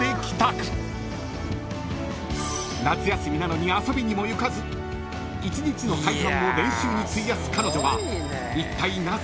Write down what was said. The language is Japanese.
［夏休みなのに遊びにも行かず１日の大半を練習に費やす彼女はいったい］